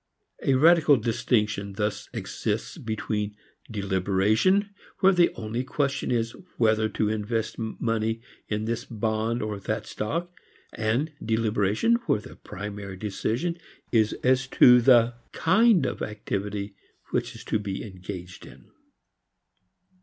A radical distinction thus exists between deliberation where the only question is whether to invest money in this bond or that stock, and deliberation where the primary decision is as to the kind of activity which is to be engaged in.